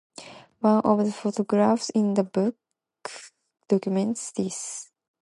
One of the photographs in the book documents this.